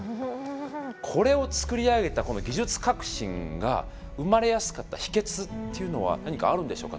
これを造り上げた技術革新が生まれやすかった秘けつっていうのは何かあるんでしょうか？